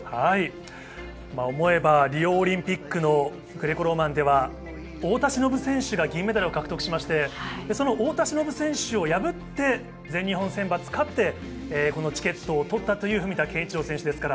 思えば、リオオリンピックのグレコローマンでは太田忍選手が銀メダルを獲得しまして、太田忍選手を破って、全日本選抜を勝って、このチケットを取ったという文田健一郎選手。